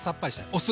お酢。